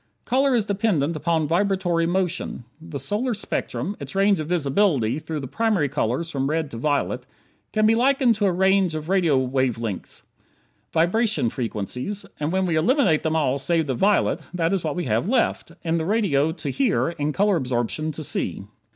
Color is dependent upon vibratory motion. The solar spectrum its range of visibility through the primary colors from red to violet can be likened to a range of radio wave lengths; vibration frequencies; and when we eliminate them all save the "violet" that is what we have left, in the radio to hear, in color absorption to see.